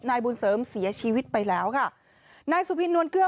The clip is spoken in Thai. นายบุญเสริมเสียชีวิตไปแล้วค่ะนายสุพินนวลเกลือ